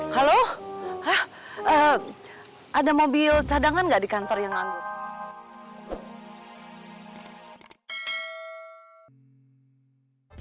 halo ada mobil cadangan gak di kantor yang ngambil